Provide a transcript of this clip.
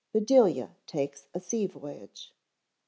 _Bedelia Takes a Sea Voyage.